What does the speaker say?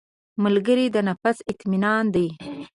ملګری د نفس اطمینان دی